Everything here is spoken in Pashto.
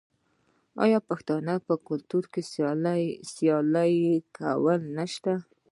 آیا د پښتنو په کلتور کې سیالي کول نشته؟